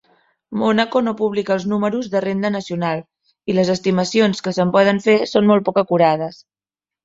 Mònaco no publica números de renda nacional; i les estimacions que se'n poden fer són molt poc acurades.